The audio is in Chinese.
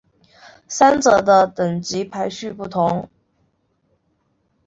三者的等级排序不同。